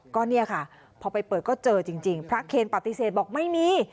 ก็เนี่ยค่ะพอไปเปิดก็เจอจริงพระเคนปฏิเสธบอกไม่มี